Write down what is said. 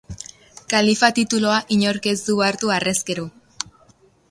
Kalifa titulua inork ez du hartu harrezkero.